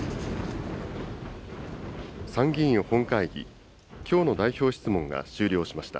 参議院本会議、きょうの代表質問が終了しました。